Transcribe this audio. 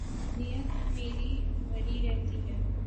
نیت اب میری بھری رہتی ہے